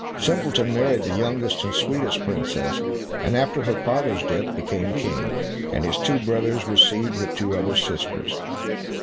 Simpleton married the youngest and sweetest princess, and after her father's death became King, and his two brothers received the two other sisters.